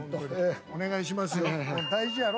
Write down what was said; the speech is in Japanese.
お願いしますよ。